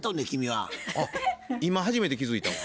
あっ今初めて気付いたわ。